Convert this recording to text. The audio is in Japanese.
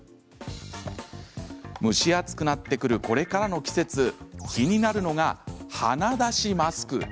蒸し暑くなってくるこれからの季節気になるのが、鼻だしマスク。